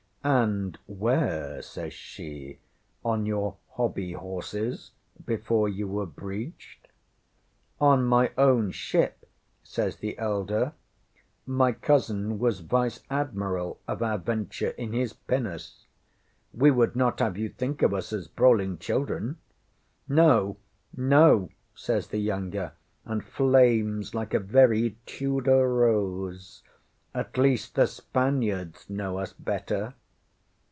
ŌĆśŌĆ£And where? ŌĆØ says she. ŌĆ£On your hobby horses before you were breeched? ŌĆØ ŌĆśŌĆ£On my own ship, ŌĆØ says the elder. ŌĆ£My cousin was vice admiral of our venture in his pinnace. We would not have you think of us as brawling children. ŌĆØ ŌĆśŌĆ£No, no, ŌĆØ says the younger, and flames like a very Tudor rose. ŌĆ£At least the Spaniards know us better.